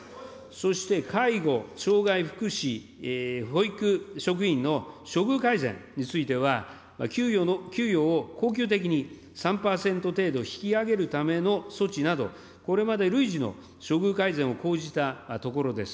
そして、介護、障害福祉、保育職員の処遇改善については、給与を恒久的に３％程度引き上げるための措置など、これまで累次の処遇改善を講じたところです。